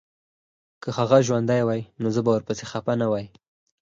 که هغه ژوندی وای نو زه به ورپسي خپه نه وای